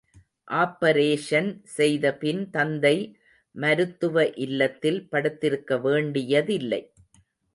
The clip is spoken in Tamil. ஆப்பரேஷன் செய்தபின் தந்தை மருத்துவ இல்லத்தில் படுத்திருக்க வேண்டியதில்லை.